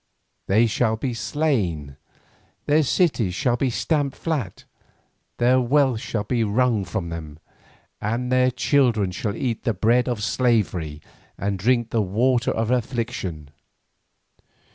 They shall be slain, their cities shall be stamped flat, their wealth shall be wrung from them, and their children shall eat the bread of slavery and drink the water of affliction.